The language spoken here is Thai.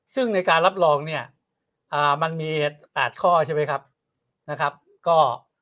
ซึ่งในการรับรองเนี่ยมันมี๘ข้อใช่ไหมครับนะครับก็